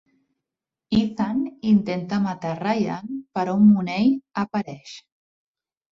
Ethan intenta matar Ryan però Mooney apareix.